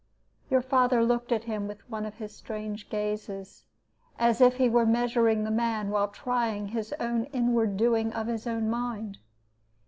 "Your father looked at him with one of his strange gazes, as if he were measuring the man while trying his own inward doing of his own mind.